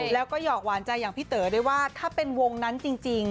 แล้วก็หอกหวานใจอย่างพี่เต๋อด้วยว่าถ้าเป็นวงนั้นจริง